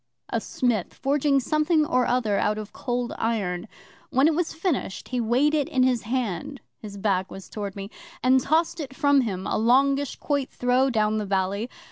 'A smith forging something or other out of Cold Iron. When it was finished, he weighed it in his hand (his back was towards me), and tossed it from him a longish quoit throw down the valley.